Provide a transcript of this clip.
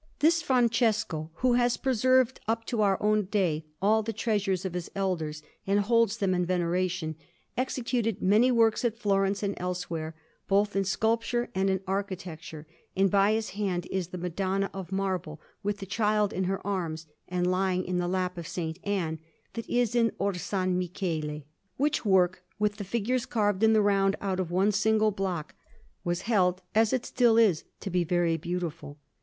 This Francesco, who has preserved up to our own day all the treasures of his elders, and holds them in veneration, executed many works at Florence and elsewhere, both in sculpture and in architecture, and by his hand is the Madonna of marble, with the Child in her arms, and lying in the lap of S. Anne, that is in Orsanmichele; which work, with the figures carved in the round out of one single block, was held, as it still is, to be very beautiful.